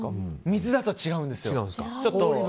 水だと違うんですよ。